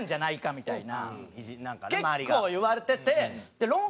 みたいな。